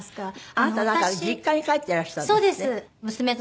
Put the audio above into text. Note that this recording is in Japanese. あなたなんか実家に帰ってらしたんですって？